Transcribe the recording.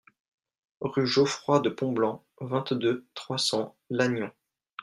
Rue Geoffroy de Pontblanc, vingt-deux, trois cents Lannion